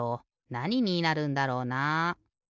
なにになるんだろうな？